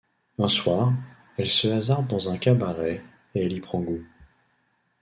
Un soir, elle se hasarde dans un cabaret et elle y prend goût...